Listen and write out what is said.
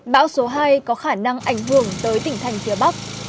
bão số hai có khả năng ảnh hưởng tới tỉnh thành phía bắc